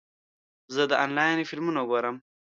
زه د انلاین فلمونه ګورم.